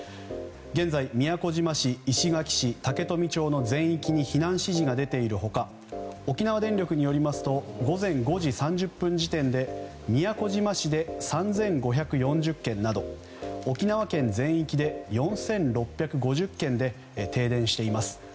現在、宮古島市、石垣市竹富町の全域に避難指示が出ている他沖縄電力によりますと午前５時３０分時点で宮古島市で３５４０軒など沖縄県全域で４６５０軒で停電しています。